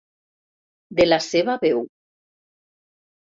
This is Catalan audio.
De la seva veu.